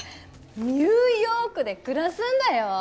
ニューヨークで暮らすんだよ！